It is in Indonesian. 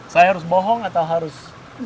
saya harus bohong atau harus